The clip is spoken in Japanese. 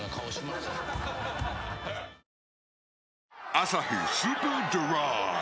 「アサヒスーパードライ」